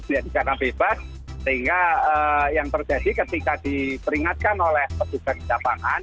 jadi karena bebas sehingga yang terjadi ketika diperingatkan oleh petugas di lapangan